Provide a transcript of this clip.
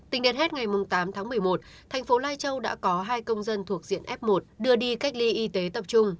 tính đến hết ngày tám tháng một mươi một thành phố lai châu đã có hai công dân thuộc diện f một đưa đi cách ly y tế tập trung